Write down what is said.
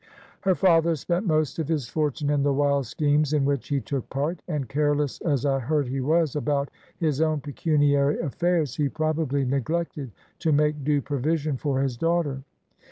Her father spent most of his fortune in the wild schemes in which he took part, and careless as I heard he was about his own pecuniary affairs, he probably neglected to make due provision for his daughter.